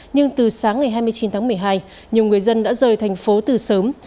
nhưng từ sáng ngày hai mươi chín tháng một mươi hai nhiều người dân đã rời thành phố từ sớm